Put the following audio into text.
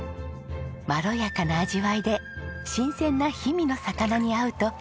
まろやかな味わいで新鮮な氷見の魚に合うと評判なんです。